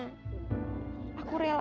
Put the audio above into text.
aku relas akan dia bahagia